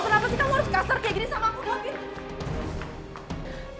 kenapa sih kamu harus kasar kayak gini sama aku dok ini